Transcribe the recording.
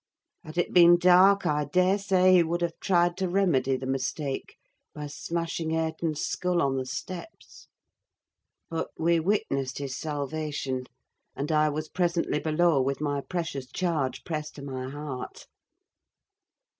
Had it been dark, I daresay he would have tried to remedy the mistake by smashing Hareton's skull on the steps; but, we witnessed his salvation; and I was presently below with my precious charge pressed to my heart.